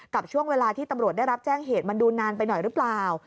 กับช่วงเวลาที่ตำรวจได้รับแจ้งเหตุมันดูนานไปหน่อยหรือเปล่า